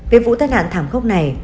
về vụ tai nạn thảm khốc này